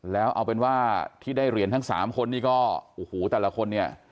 แล้วเอาเป็นว่าที่ได้เหรียญทั้ง๓คนนี่ก็โอ้โหแต่ละคนเนี่ย